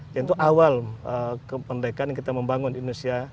yang itu awal kemerdekaan yang kita membangun di indonesia